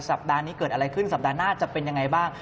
สัปดาห์นี้เกิดอะไรขึ้นสัปดาห์หน้าจะเป็นยังไงบ้าง